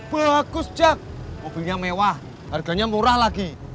bagus jak mobilnya mewah harganya murah lagi